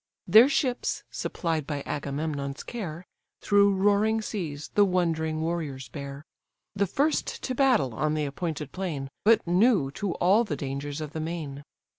Their ships, supplied by Agamemnon's care, Through roaring seas the wondering warriors bear; The first to battle on the appointed plain, But new to all the dangers of the main.